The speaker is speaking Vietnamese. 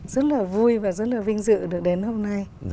rất là vui và rất là vinh dự được đến hôm nay